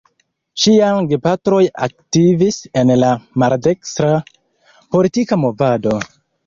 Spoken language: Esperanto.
Ŝiaj gepatroj aktivis en la maldekstra politika movado.